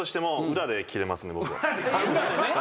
裏でね。